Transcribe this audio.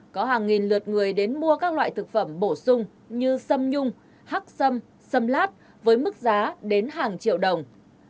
có hàng nghìn lượt người đến mua các loại thực phẩm bổ sung như xâm nhung hắc xâm xâm lát với mức giá đến hàng triệu đồng